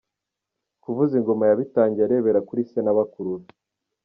Kuvuza ingoma yabitangiye arebera kuri se na bakuru be .